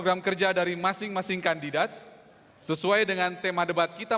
dan berikutnya kandidat nomor tiga sudrajat ahmad saiku